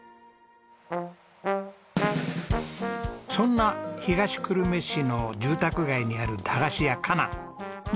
そんな東久留米市の住宅街にあるだがしやかなん。